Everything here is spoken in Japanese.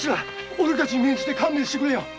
おれたちに免じて勘弁してくれよ。